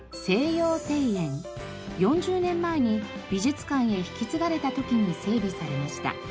４０年前に美術館へ引き継がれた時に整備されました。